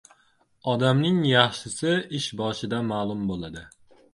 • Odamning yaxshisi ish boshida ma’lum bo‘ladi.